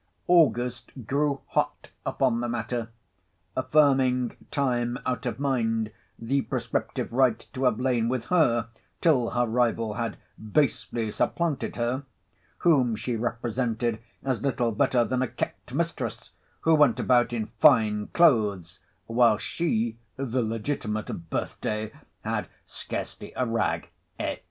August grew hot upon the matter, affirming time out of mind the prescriptive right to have lain with her, till her rival had basely supplanted her; whom she represented as little better than a kept mistress, who went about in fine clothes, while she (the legitimate BIRTHDAY) had scarcely a rag, &c.